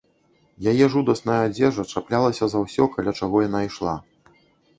Яе жудасная адзежа чаплялася за ўсё, каля чаго яна ішла.